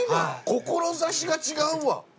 志が違うわ。